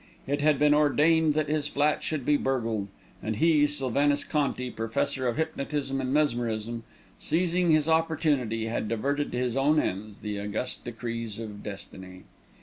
It had been ordained that his flat should be burgled, and he, Sylvanus Conti, professor of hypnotism and mesmerism, seizing his opportunity, had diverted to his own ends the august decrees of destiny.